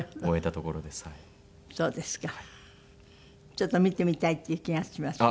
ちょっと見てみたいっていう気がしますよね。